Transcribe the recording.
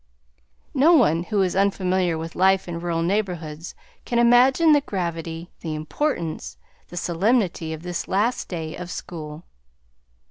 No one who is unfamiliar with life in rural neighborhoods can imagine the gravity, the importance, the solemnity of this last day of school.